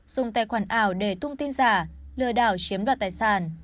dùng tài khoản ảo để tung tin giả lừa đảo chiếm đoạt tài sản